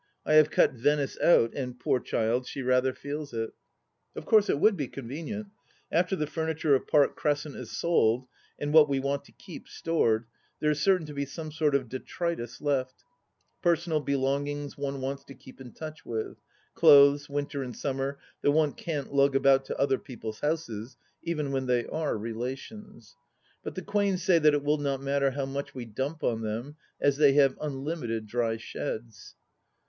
I have cut Venice out, and, poor chUd, she rather feels it.) Of course it would be convenient. After the furniture of Park Crescent is sold and what we want to keep stored, there is certain to be some sort of detritus left — personal belongings one wants to keep in touch with ; clothes, winter and summer, that one can't lug about to other people's houses, even when they are re lations; but the Quains say that it will not matter how much we dump on them, as they have unlimited dry sheds.